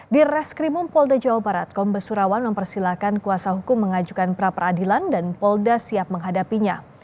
di reskrimum polda jawa barat kombes surawan mempersilahkan kuasa hukum mengajukan pra peradilan dan polda siap menghadapinya